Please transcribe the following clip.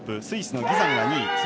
スイスのギザンが２位。